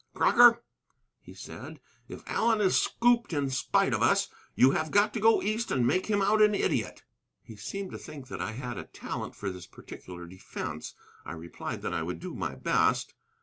"Crocker," he said, "if Allen is scooped in spite of us, you have got to go East and make him out an idiot." He seemed to think that I had a talent for this particular defence. I replied that I would do my best.